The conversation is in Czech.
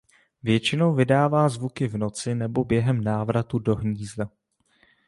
Většinou vydává zvuky v noci nebo během návratu do hnízda.